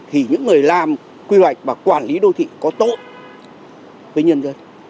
thì những người làm quy hoạch và quản lý đô thị có tốt với nhân dân